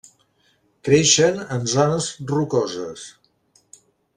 Creixen en zones rocoses.